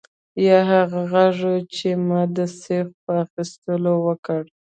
یا هغه غږ و چې ما د سیخ په اخیستلو وکړ